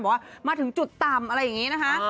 ว่ามาถึงจุดต่ำอะไรอย่างนี้นะคะ